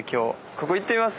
ここ行ってみます？